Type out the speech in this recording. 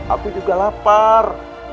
aku juga lapar